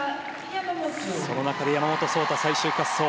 その中で山本草太、最終滑走。